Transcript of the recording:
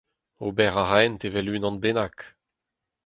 Ober a raent evel unan bennak.